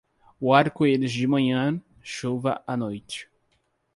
O arco-íris de manhã, chuva à noite.